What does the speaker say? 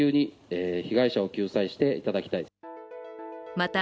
また、